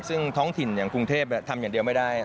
ซึ่งท้องถิ่นอย่างกรุงเทพทำอย่างเดียวไม่ได้